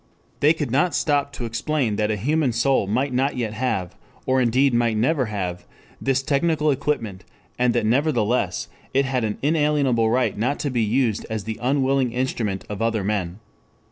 They could not stop to explain that a human soul might not yet have, or indeed might never have, this technical equipment, and that nevertheless it had an inalienable right not to be used as the unwilling instrument of other men.